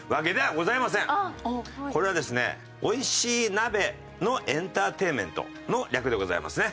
これはですね美味しい鍋のエンターテインメントの略でございますね。